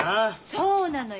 そうなのよ。